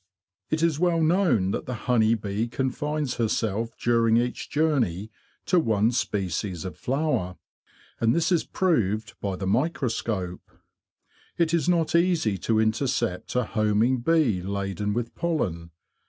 It is well known that the honey bee confines herself during each journey to one species of flower, and this is proved by the microscope. It is not easy to intercept a homing bee laden with pollen.